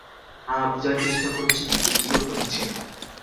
না বুঝার চেষ্টা করছি, কিন্তু বিরক্ত হচ্ছি না।